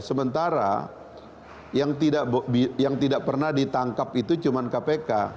sementara yang tidak pernah ditangkap itu cuma kpk